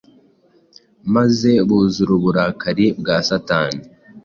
maze buzura uburakari bwa Satani,